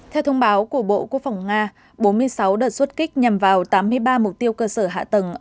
theo thông báo của bộ quốc phòng nga bốn mươi sáu đợt xuất kích nhằm vào tám mươi ba mục tiêu cơ sở hạ tầng